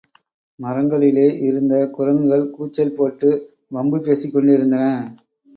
மரங்களிலே இருந்த குரங்குகள் கூச்சல் போட்டு வம்பு பேசிக்கொண்டிருந்தன.